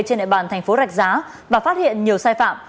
trên địa bàn thành phố rạch giá và phát hiện nhiều sai phạm